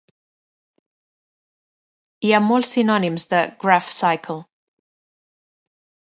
Hi ha molts sinònims de "graf cicle".